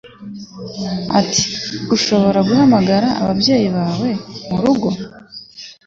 Ati: "Urashobora guhamagara ababyeyi bawe mu rugo"